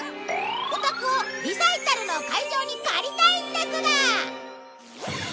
お宅をリサイタルの会場に借りたいんですが。